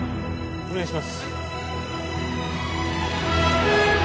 お願いします